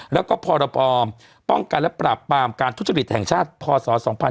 แล้วก็พรปป้องกันและปราบปรามการทุจริตแห่งชาติพศ๒๕๖๒